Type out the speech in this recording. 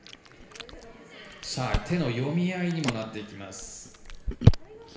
手の読み合いにもなってきます。